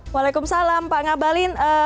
waalaikumsalam pak ngabalin